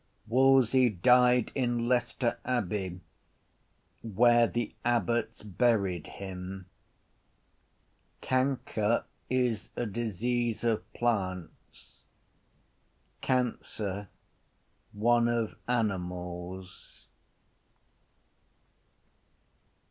Wolsey died in Leicester Abbey Where the abbots buried him. Canker is a disease of plants, Cancer one of animals.